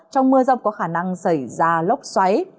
trong mưa rông có khả năng xảy ra lốc xoáy